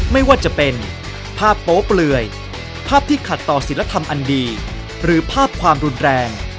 ไม่ว่าจะเป็นภาพโป๊เปลือยภาพที่ขัดต่อศิลธรรมอันดีหรือภาพความรุนแรง